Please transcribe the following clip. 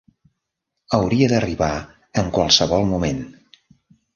Hauria d'arribar en qualsevol moment.